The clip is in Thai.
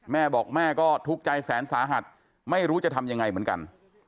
แม่บอกแม่ก็ทุกข์ใจแสนสาหัสไม่รู้จะทำยังไงเหมือนกัน